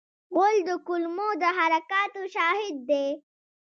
غول د کولمو د حرکاتو شاهد دی.